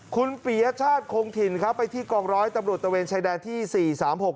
คุณปียชาติคงถิ่นครับไปที่กองร้อยตำรวจตะเวนชายแดนที่สี่สามหก